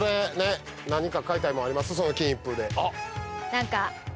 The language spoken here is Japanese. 何か。